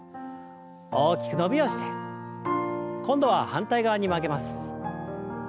大きく伸びをして今度は反対側に曲げます。